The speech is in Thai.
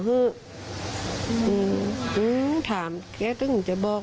อื้มถามแกะต้องมันจะบอก